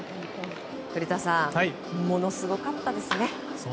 古田さんものすごかったですね。